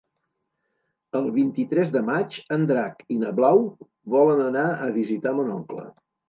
El vint-i-tres de maig en Drac i na Blau volen anar a visitar mon oncle.